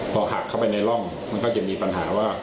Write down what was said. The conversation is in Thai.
พอหักเข้าไปในร่องมันก็จะมีปัญหาว่า